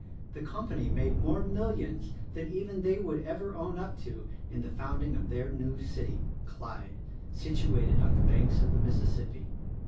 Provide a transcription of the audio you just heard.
The com pany made more millions than even they would ever own up to in the founding of their new city, Clyde, situated on the banks of the Mississippi.